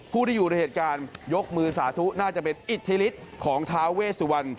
ผู้ที่อยู่ในเหตุการณ์ยกมือสาธุน่าจะเป็นอิทธิฤทธิ์ของท้าเวสวรรณ